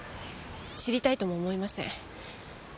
知りたいとも思いません。